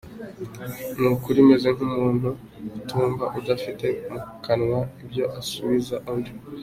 Ni ukuri meze nk’umuntu utumva, Udafite mu kanwa ibyo asubiza undi.